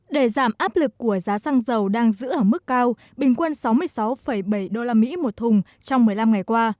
để giảm áp lực của giá xăng dầu đang giữ ở mức cao bình quân sáu mươi sáu bảy usd một thùng trong một mươi năm ngày qua